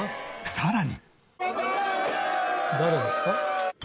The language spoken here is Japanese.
さらに。